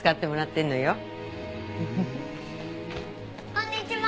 こんにちは！